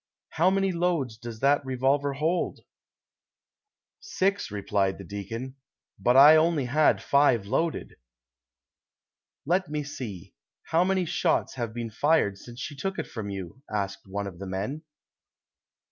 "How many loads does that revolver hold ?"" Six," replied the deacon, " but I only had five loaded." "Let me see ; how many shots have been fired since she took it from you V " asked one of the men.